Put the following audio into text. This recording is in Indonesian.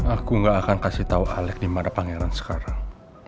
aku gak akan kasih tahu alex di mana pangeran sekarang